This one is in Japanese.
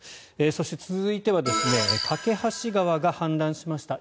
そして、続いては梯川が氾濫しました。